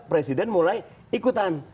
presiden mulai ikutan